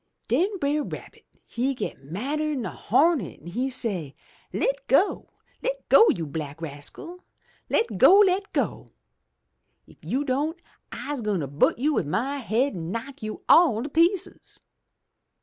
'*Den Brer Rabbit he get madder'n a hornet an' he say, 'Le' go! Le' go, you black rascal! Le' go! Le' go! If you don' I'se gwine butt you wid my haid an' knock you all to pieces!'